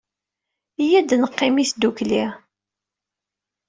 Iyya ad neqqim ddukkli.